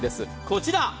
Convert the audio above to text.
こちら。